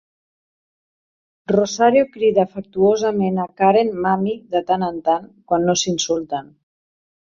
Rosario crida afectuosament a Karen "mami" de tant en tant, quan no s'insulten.